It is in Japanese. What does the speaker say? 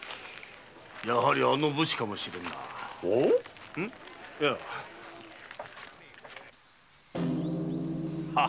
やはりあの武士かもしれぬな。は⁉ん？